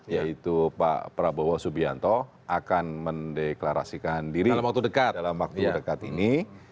yaitu pak prabowo subianto akan mendeklarasikan diri dalam waktu dekat ini